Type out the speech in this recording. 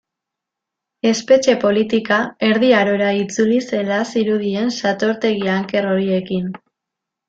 Espetxe politika Erdi Arora itzuli zela zirudien satortegi anker horiekin.